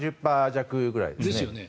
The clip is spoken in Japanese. ３０％弱ぐらいですね。